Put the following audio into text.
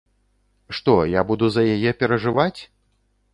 Што, я буду за яе перажываць?